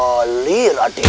tentu sekali raden